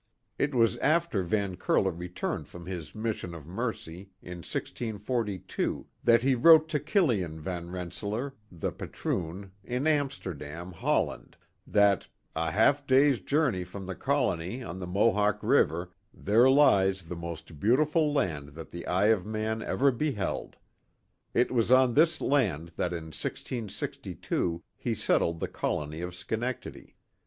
It was after Van Curler returned from his mission of mercy, in 1642, that he wrote to Killian Van Rensselaer, the Patroon, in Amsterdam, Holland, that '* a half day's journey from the Colonic, on the Mohawk River, there lies the most beautiful land that the eye of man ever be held.*' It was on this land that in 1662 he settled the colony of Schenectady.